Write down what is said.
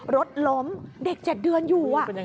รถล้มเด็ก๗เดือนอยู่